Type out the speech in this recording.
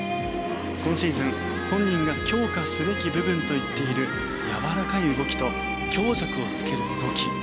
今シーズン、本人が強化すべき部分と言っているやわらかい動きと強弱をつける動き。